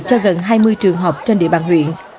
cho gần hai mươi trường học trên địa bàn huyện